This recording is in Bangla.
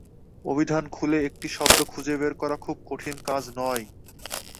অভিধান খুলে একটা শব্দ খুঁজে বের করা খুব কঠিন কাজ নয়।